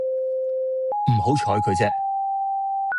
唔好採佢啫